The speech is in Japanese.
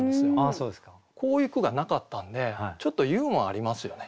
こういう句がなかったんでちょっとユーモアありますよね。